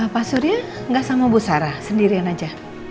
pak surya nggak sama bu sarah sendirian aja